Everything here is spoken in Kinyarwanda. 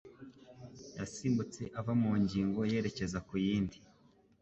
Yasimbutse ava mu ngingo yerekeza ku yindi